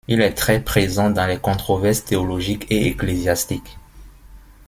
Il est très présent dans les controverses théologiques et ecclésiastiques.